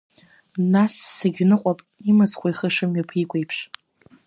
Нас сагьныҟәап, имыцхәу ихы шымҩаԥиго еиԥш.